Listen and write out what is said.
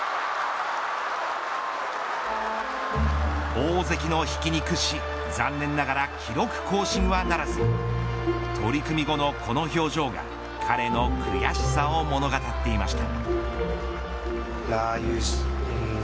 大関の引きに屈し残念ながら記録更新はならず取り組み後のこの表情が彼の悔しさを物語っていました。